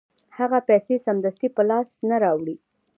هغه پیسې سمدستي په لاس نه راوړي